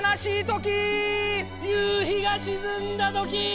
夕日が沈んだときー！